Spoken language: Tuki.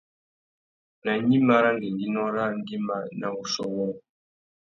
Nà gnima râ ngüéngüinô râā nguimá na wuchiô wôō ?